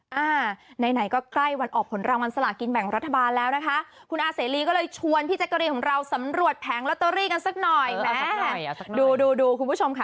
เจาะสั้นเหลือเกินเป็นตัวเลขอะไรไปดูกันจ๊ะ